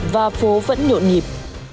và phố vẫn nhộn nhịp